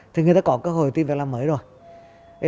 thì người ta có cơ hội tìm việc làm mới rồi